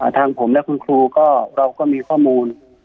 ทางผมและคุณครูก็เราก็มีข้อมูล